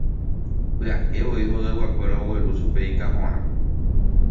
Py'aevoi hogayguakuéra ogueru chupe ikahõrã.